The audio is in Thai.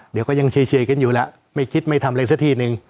เดี๋ยวก็ยังเฉยกันอยู่แล้วไม่คิดไม่ทำอะไรสักทีนึง